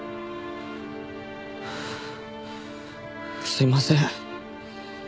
すいません。